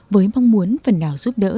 với mong muốn phần nào giúp đỡ